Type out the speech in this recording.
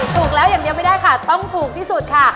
ถูกแล้วอย่างเดียวไม่ได้ค่ะต้องถูกที่สุดค่ะ